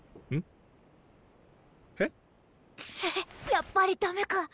やっぱりダメか。